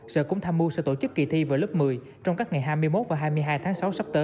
sở cúng tham mưu sẽ tổ chức kỳ thi vào lớp một mươi trong các ngày hai mươi một và hai mươi hai tháng